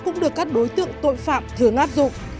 cũng được các đối tượng tội phạm thường áp dụng